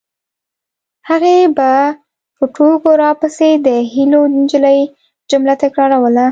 هغې به په ټوکو راپسې د هیلو نجلۍ جمله تکراروله